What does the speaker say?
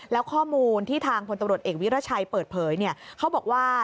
แล้วข้อมูลที่ทางพลตำรวจเอกวิรัชัยเปิดเผยเขาบอกว่า